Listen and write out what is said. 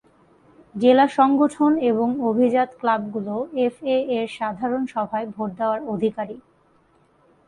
জেলা সংগঠন এবং অভিজাত ক্লাবগুলো এফএ-এর সাধারণ সভায় ভোট দেওয়ার অধিকারী।